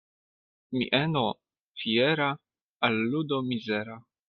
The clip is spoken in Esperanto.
Mieno fiera al ludo mizera.